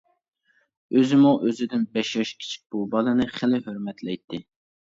ئۆزىمۇ ئۆزىدىن بەش ياش كىچىك بۇ بالىنى خىلى ھۆرمەتلەيتتى.